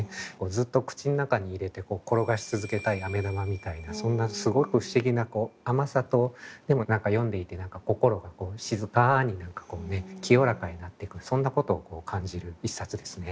ずっと口の中に入れて転がしつづけたい飴玉みたいなそんなすごく不思議な甘さとでも何か読んでいて心が静かに清らかになっていくそんなことを感じる一冊ですね。